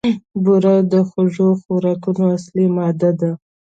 بوره د خوږو خوراکونو اصلي ماده ده.